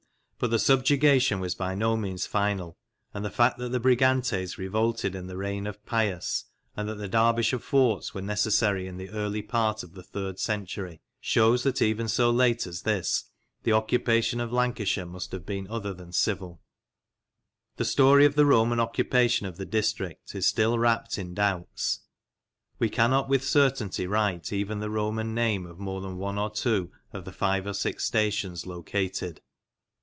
But the subjugation was by no means final, and the fact THE ROMANS IN LANCASHIRE 33 that the Brigantes revolted in the reign of Pius, and that the Derbyshire forts were necessary in the early part of the third century, shews that even so late as this the occupation of Lancashire must have been other than civil. The story of the Roman occupation of the district is still wrapped in doubts. We cannot with certainty write even the Roman name of more than one or two of the five or six stations located.